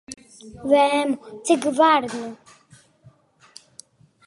Vēmu. Cik var, nu?